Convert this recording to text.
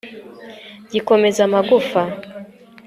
gikomeza amagufa